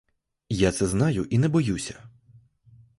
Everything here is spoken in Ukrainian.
Я це знаю і не боюся.